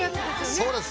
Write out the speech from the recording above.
そうです。